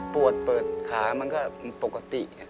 ปวดเปิดขามันก็ปกติ